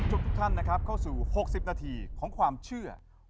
ทุกท่านนะครับเข้าสู่๖๐นาทีของความเชื่อ